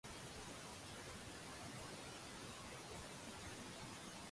便說人是惡人。